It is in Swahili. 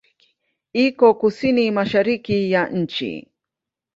Iko kusini-mashariki ya nchi.